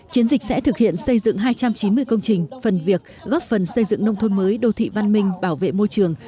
chiến dịch sẽ thực hiện xây dựng hai trăm chín mươi công trình phần việc góp phần xây dựng nông thôn mới đô thị văn minh bảo vệ môi trường